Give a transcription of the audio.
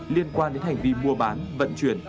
liên quan đến hành vi mua bán vận chuyển